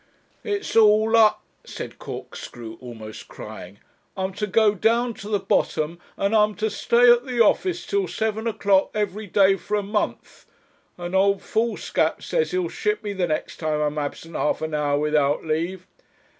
'It's all U P,' said Corkscrew, almost crying. 'I'm to go down to the bottom, and I'm to stay at the office till seven o'clock every day for a month; and old Foolscap says he'll ship me the next time I'm absent half an hour without leave.'